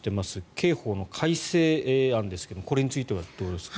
刑法の改正案ですがこれについてはどうですか。